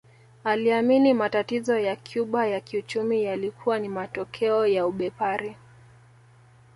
Aliamini matatizo ya Cuba ya kiuchumi yalikuwa ni matokeo ya ubepari